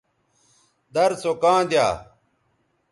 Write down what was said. در سو کاں دیا